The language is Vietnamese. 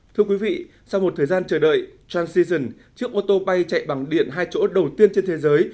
thưa quý vị sau một thời gian chờ đợi transition chiếc ô tô bay chạy bằng điện hai chỗ đầu tiên trên thế giới